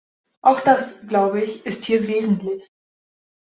Auch das, glaube ich, ist hier wesentlich.